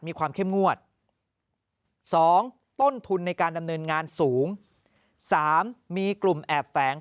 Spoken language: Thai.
มีความเข้มงวด๒ต้นทุนในการดำเนินงานสูง๓มีกลุ่มแอบแฝง